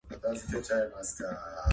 福島県新地町